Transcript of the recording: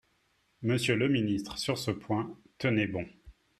Monsieur le ministre, sur ce point, tenez bon